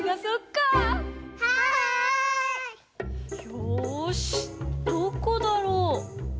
よしどこだろう？